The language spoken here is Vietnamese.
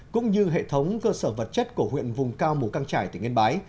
cũng như hệ thống cơ sở vật chất của huyện vùng cao mù căng trải tỉnh yên bái